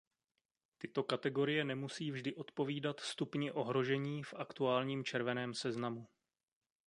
Tyto kategorie nemusí vždy odpovídat stupni ohrožení v aktuálním červeném seznamu.